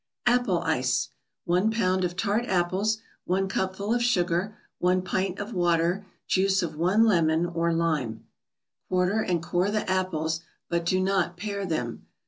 APPLE ICE 1 pound of tart apples 1 cupful of sugar 1 pint of water Juice of one lemon or lime Quarter and core the apples, but do not pare them.